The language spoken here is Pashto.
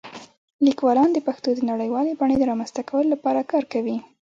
لیکوالان د پښتو د نړیوالې بڼې د رامنځته کولو لپاره کار نه کوي.